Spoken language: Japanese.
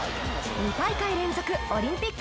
２大会連続オリンピック